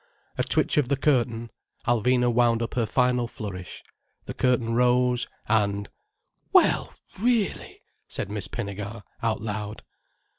A twitch of the curtain. Alvina wound up her final flourish, the curtain rose, and: "Well really!" said Miss Pinnegar, out loud.